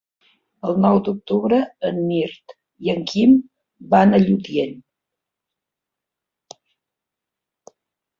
El nou d'octubre en Mirt i en Quim van a Lludient.